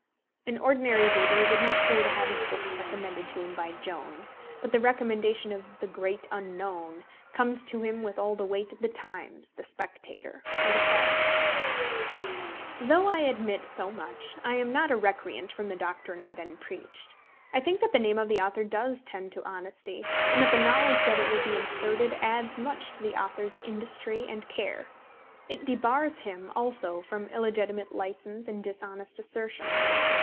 An ordinary reader would not care to have his books recommended to him by Jones; but the recommendation of the great unknown comes to him with all the weight of the Times, the Spectator, or the Saturday. Though I admit so much, I am not a recreant from the doctrine I then preached. I think that the name of the author does tend to honesty, and that the knowledge that it will be inserted adds much to the author's industry and care. It debars him also from illegitimate license and dishonest assertions.